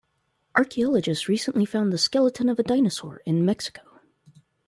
Archaeologists recently found the skeleton of a dinosaur in Mexico.